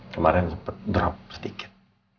kemarin sempet drop sedikit